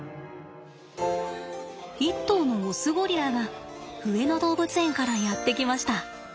１頭のオスゴリラが上野動物園からやって来ました。